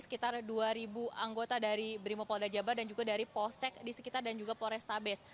sekitar dua ribu anggota dari brimo pol dajabar dan juga dari polsek di sekitar dan juga polrestabes